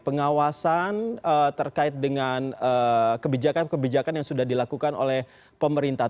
pengawasan terkait dengan kebijakan kebijakan yang sudah dilakukan oleh pemerintah